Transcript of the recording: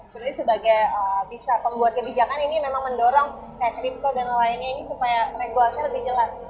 berarti sebagai bisa pembuat kebijakan ini memang mendorong kayak crypto dan lainnya ini supaya regulasinya lebih jelas